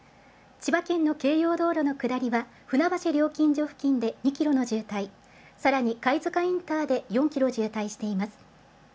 千葉県の京葉道路の下りは、船橋料金所付近で２キロの渋滞、さらに貝塚インターで４キロ渋滞しています。